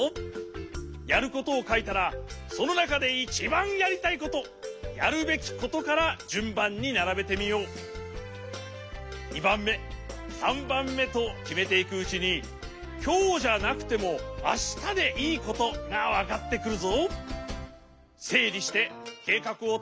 やることをかいたらそのなかでいちばん２ばんめ３ばんめときめていくうちにきょうじゃなくてもあしたでいいことがわかってくるぞ。